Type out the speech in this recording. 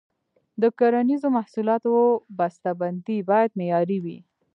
د کرنیزو محصولاتو بسته بندي باید معیاري وي.